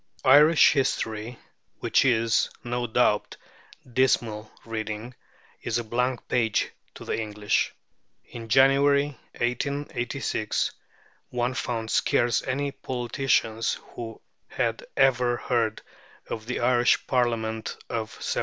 Irish history, which is, no doubt, dismal reading, is a blank page to the English. In January, 1886, one found scarce any politicians who had ever heard of the Irish Parliament of 1782.